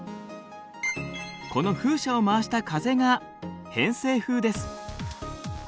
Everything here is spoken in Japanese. この風車を回した風が偏西風です。